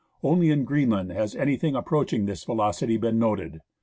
Only in Greenland has anything approaching this velocity been noted.